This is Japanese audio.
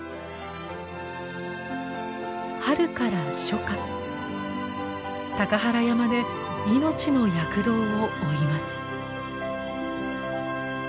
春から初夏高原山で命の躍動を追います。